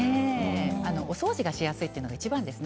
お掃除がしやすいのがいちばんですね。